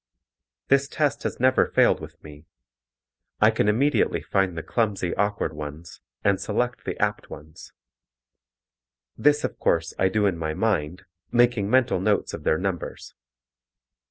This test has never failed with me. I can immediately find the clumsy, awkward ones and select the apt ones. This, of course, I do in my mind, making mental notes of their numbers.